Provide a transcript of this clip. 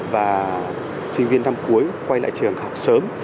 và sinh viên năm cuối quay lại trường học sớm